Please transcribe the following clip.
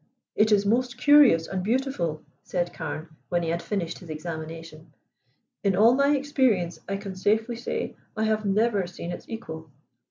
"It is most curious and beautiful," said Carne when he had finished his examination. "In all my experience I can safely say I have never seen its equal.